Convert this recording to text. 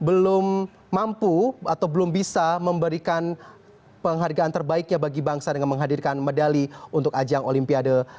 memberikan dukungan memberikan semangat pada atlet atlet yang lain yang mungkin belum mampu atau belum bisa memberikan penghargaan terbaiknya bagi bangsa dengan menghadirkan medali untuk ajang olimpiade